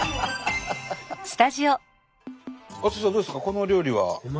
このお料理は。